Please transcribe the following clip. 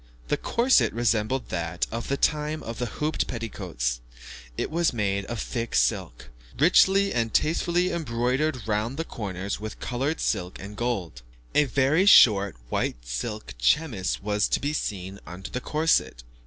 The corset resembled that of the time of the hooped petticoats; it was made of thick silk, richly and tastefully embroidered round the corners with coloured silk and gold. A very short white silk chemise was to be seen under the corset.